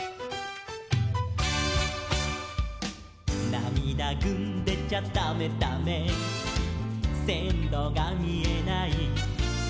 「なみだぐんでちゃだめだめ」「せんろがみえない」